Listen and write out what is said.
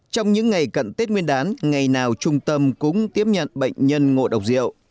trong những ngày cận tết nguyên đán ngày nào trung tâm cũng tiếp nhận bệnh nhân ngộ độc rượu